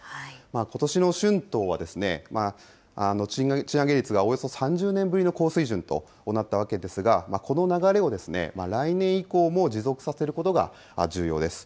ことしの春闘は、賃上げ率がおよそ３０年ぶりの高水準となったわけですが、この流れを来年以降も持続させることが重要です。